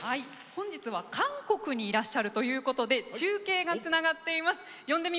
本日は韓国にいらっしゃるということで中継がつながっています。